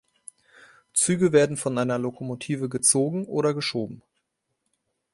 Züge werden von einer Lokomotive gezogen oder geschoben.